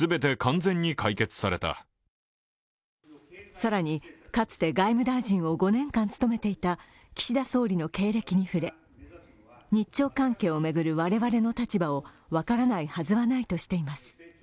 更に、かつて外務大臣を５年間務めていた岸田総理の経歴に触れ、日朝関係を巡る我々の立場を分からないはずはないとしています。